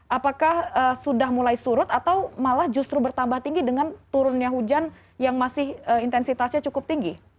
apakah sudah mulai surut atau malah justru bertambah tinggi dengan turunnya hujan yang masih intensitasnya cukup tinggi